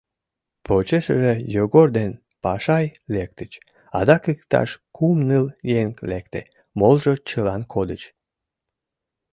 Почешыже Йогор ден Пашай лектыч, адак иктаж кум-ныл еҥ лекте, молыжо чылан кодыч.